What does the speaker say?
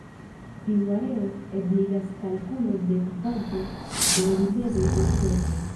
Tiu areo ebligas kalkulon de kvanto de rimedoj necesaj.